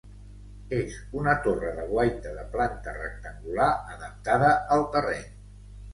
És una torre de guaita de planta rectangular, adaptada al terreny.